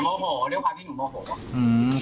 หนูโมโหเรียกว่าพี่หนูโมโห